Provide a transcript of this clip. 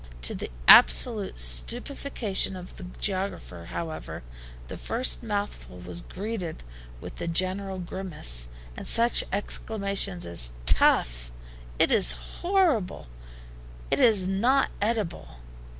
To the absolute stupefaction of the geographer, however, the first mouthful was greeted with a general grimace, and such exclamations as "Tough!" "It is horrible." "It is not eatable."